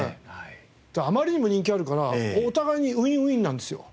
あまりにも人気あるからお互いにＷｉｎ−Ｗｉｎなんですよ。